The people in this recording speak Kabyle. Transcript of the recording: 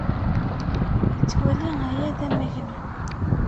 Yettwali aya d amagnu.